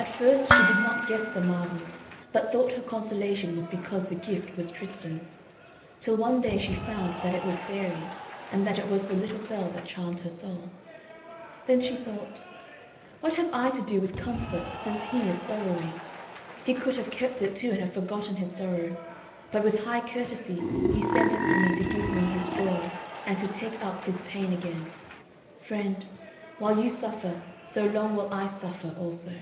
At first she did not guess the marvel, but thought her consolation was because the gift was Tristan's, till one day she found that it was fairy, and that it was the little bell that charmed her soul; then she thought: "What have I to do with comfort since he is sorrowing? He could have kept it too and have forgotten his sorrow; but with high courtesy he sent it to me to give me his joy and to take up his pain again. Friend, while you suffer, so long will I suffer also."